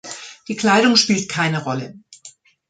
Die Kleidung spielt keine Rolle.